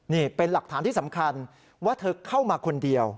นี่เป็นหลักฐานที่สำคัญว่าเธอเข้ามาคนเดียว